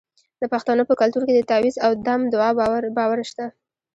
د پښتنو په کلتور کې د تعویذ او دم دعا باور شته.